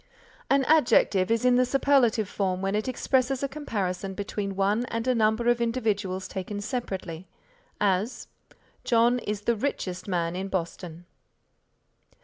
An adjective is in the superlative form when it expresses a comparison between one and a number of individuals taken separately; as, "John is the richest man in Boston."